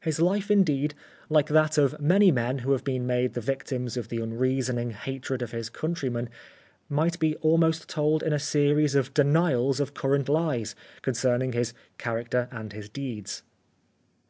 His hfe, indeed, hke that of many men who have been made the victims of the unreasoning hatred of his countrymen, might be almost told in a series of denials of cur rent hes concerning his character and his deeds.